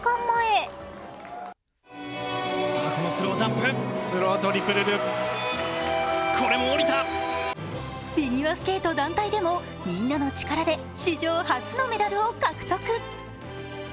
前フィギュアスケート団体でもみんなの力で史上初のメダルを獲得。